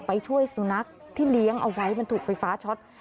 ไปช่วยสุนัขที่เลี้ยงเอาไว้มันถูกไฟฟ้าช็อต